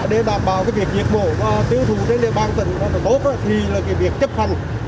để đảm bảo cái việc nhiệt mổ và tiêu thụ đến địa bàn tỉnh tốt thì là cái việc chấp khăn